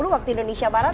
waktu indonesia barat